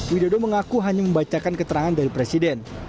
widodo mengaku hanya membacakan keterangan dari presiden